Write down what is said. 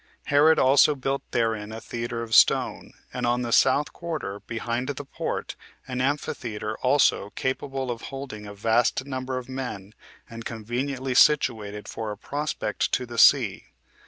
Herod also built therein a theater of stone; and on the south quarter, behind the port, an amphitheater also, capable of holding a vast number of men, and conveniently situated for a prospect to the sea.